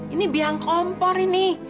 ini biang kompor ini